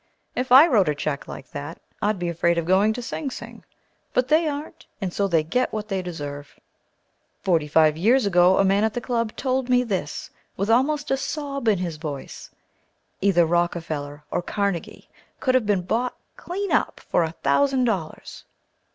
If I wrote a cheque like that, I'd be afraid of going to Sing Sing. But they aren't, and so they get what they deserve. Forty five years ago, a man at the club told me this with almost a sob in his voice, either Rockefeller or Carnegie could have been bought clean up for a thousand dollars!